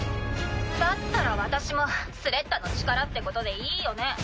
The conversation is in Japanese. だったら私もスレッタの力ってことでいいよね？